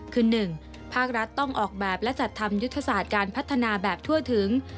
คือ๑ภาครัฐต้องออกแบบและจัดทำยุทธศาสตร์การพัฒนาแบบทั่วถึง